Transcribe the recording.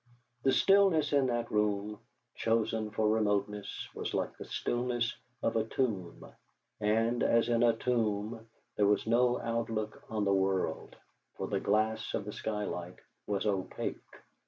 The stillness in that room, chosen for remoteness, was like the stillness of a tomb, and, as in a tomb, there was no outlook on the world, for the glass of the skylight was opaque.